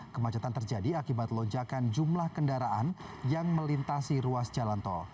kemacetan terjadi akibat lonjakan jumlah kendaraan yang melintasi ruas jalan tol